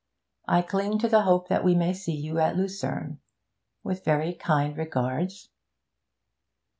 I cling to the hope that we may see you at Lucerne. With very kind regards.